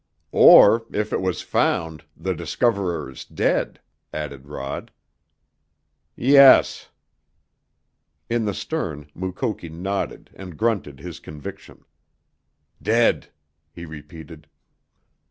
"Or, if it was found, the discoverer is dead," added Rod. "Yes." In the stern, Mukoki nodded and grunted his conviction. "Dead," he repeated.